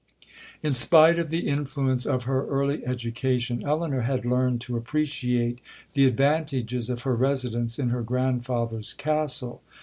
'In spite of the influence of her early education, Elinor had learned to appreciate the advantages of her residence in her grandfather's castle.